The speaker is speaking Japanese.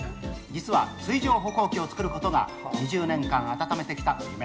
実は水上歩行機を作ることが、２０年間温めてきた夢。